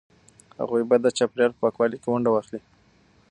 هغوی باید د چاپیریال په پاکوالي کې ونډه واخلي.